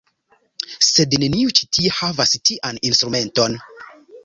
Sed neniu ĉi tie havas tian instrumenton.